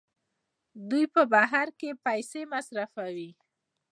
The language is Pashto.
دوی په بهر کې پیسې مصرفوي.